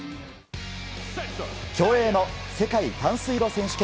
競泳の世界短水路選手権。